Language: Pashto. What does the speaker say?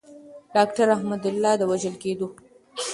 داکتر احمد الله د وژل کیدو.